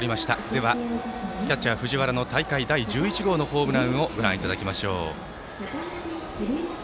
ではキャッチャー、藤原の大会１１号ホームランをご覧いただきましょう。